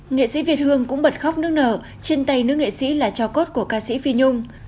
nghệ sĩ việt hương cũng bật khóc nước nở trên tay nước nghệ sĩ là cho cốt của ca sĩ phi nhung